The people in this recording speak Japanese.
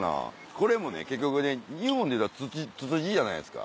これもね結局ね日本でいうたらツツジじゃないですか。